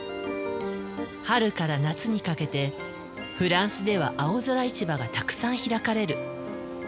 春から夏にかけてフランスでは青空市場がたくさん開かれる。